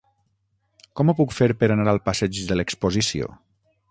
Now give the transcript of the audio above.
Com ho puc fer per anar al passeig de l'Exposició?